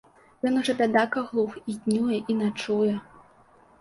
Ён ужо, бядак, аглух, і днюе і начуе.